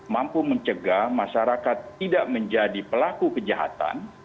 mampu mencegah masyarakat tidak menjadi pelaku kejahatan